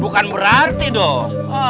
bukan berarti dong